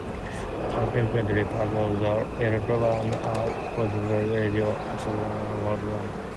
Consequently, parts of the L-band are protected radio astronomy allocations worldwide.